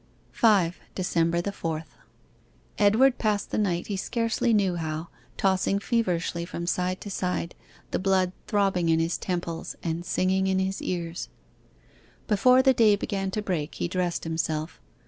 5. DECEMBER THE FOURTH Edward passed the night he scarcely knew how, tossing feverishly from side to side, the blood throbbing in his temples, and singing in his ears. Before the day began to break he dressed himself.